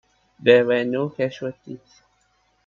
There were no casualties.